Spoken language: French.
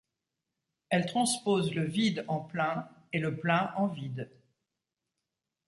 Elle transpose le vide en plein et le plein en vide.